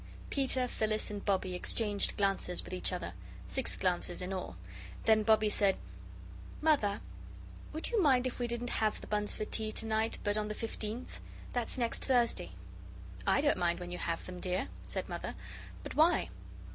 Peter, Phyllis, and Bobbie exchanged glances with each other, six glances in all. Then Bobbie said: "Mother, would you mind if we didn't have the buns for tea to night, but on the fifteenth? That's next Thursday." "I don't mind when you have them, dear," said Mother, "but why?"